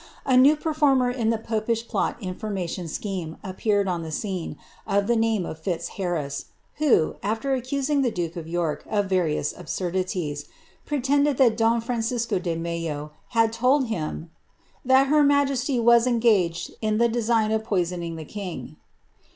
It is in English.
A new ]«* former in the popish plot information scheme appeared on the scene, of the name of Fiizharrijn, who, after accusing the duke of York of varioof absurdities, pretended tliat don Francisco de Mello had told him tint her majesty was eniraged in the design of poisoning the king."